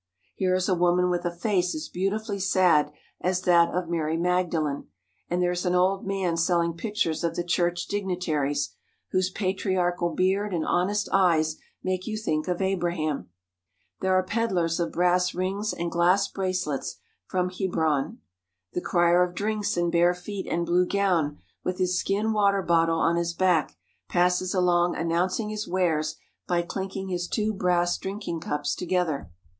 Here is a woman with a face as beau tifully sad as that of Mary Magdalene, and there is an old man selling pictures of the church dignitaries, whose patriarchal beard and honest eyes make you think of Abraham. There are pedlars of brass rings and glass bracelets from Hebron. The crier of drinks in bare feet and blue gown, with his skin water bottle on his back, passes along announcing his wares by clinking his two brass drinking cups together.